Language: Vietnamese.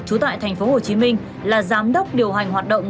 trú tại tp hcm là giám đốc điều hành hoạt động